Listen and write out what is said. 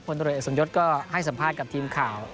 ตรวจเอกสมยศก็ให้สัมภาษณ์กับทีมข่าว